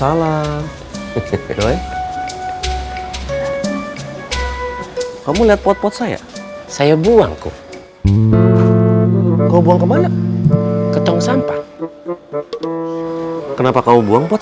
dalam ke rhyme trying you not